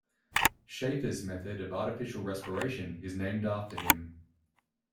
Schafer's method of artificial respiration is named after him.